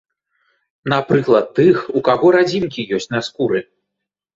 Напрыклад, тых, у каго радзімкі ёсць на скуры.